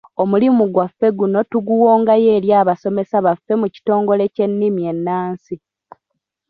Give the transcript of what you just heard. Omulimu gwaffe guno tuguwongayo eri abasomesa baffe mu kitongole ky’ennimi ennansi.